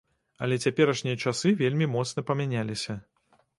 Але цяперашнія часы вельмі моцна памяняліся.